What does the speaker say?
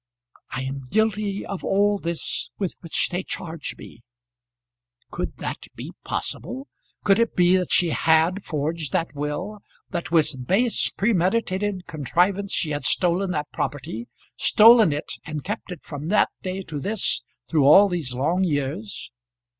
"I am guilty of all this with which they charge me." Could that be possible? Could it be that she had forged that will; that with base, premeditated contrivance she had stolen that property; stolen it and kept it from that day to this; through all these long years?